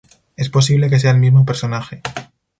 Es posible que sea el mismo personaje.